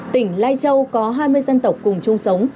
tỉnh lai châu có hai mươi dân tộc cùng chung sống